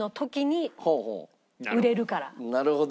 なるほど。